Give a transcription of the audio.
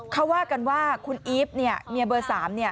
เขาว่ากันว่าคุณอีฟเนี่ยเมียเบอร์๓เนี่ย